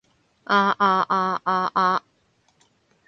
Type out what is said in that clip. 啊啊啊啊啊